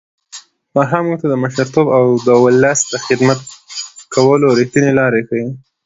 فرهنګ موږ ته د مشرتوب او د ولس د خدمت کولو رښتینې لارې ښيي.